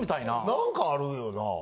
何かあるよな。